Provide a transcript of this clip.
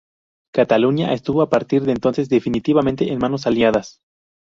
Cataluña estuvo a partir de entonces definitivamente en manos aliadas.